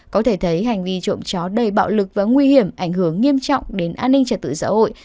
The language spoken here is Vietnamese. có thể thấy hành vi trộm chó đầy bạo lực và nguy hiểm ảnh hưởng nghiêm trọng đến an ninh trật tự xã hội